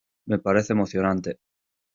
me parece emocionante.